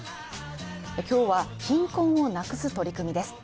今日は貧困をなくす取り組みです。